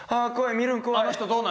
見るの怖い。